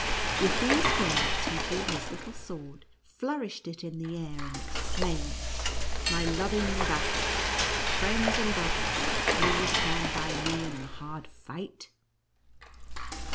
With these words he drew his little sword, flourished it in the air, and exclaimed, " My loving vassals, friends and brothers, will you stand by me in the hard fight?"